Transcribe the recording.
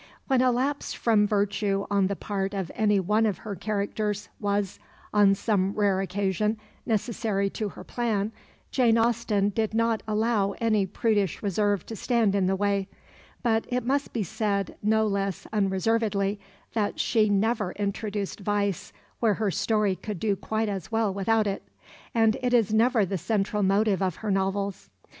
When a lapse from virtue on the part of any of her characters was, on some rare occasion, necessary to her plan, Jane Austen did not allow any prudish reserve to stand in the way, but it may be said no less unreservedly that she never introduced vice where her story could do quite as well without it, and it is never the central motive of her novels.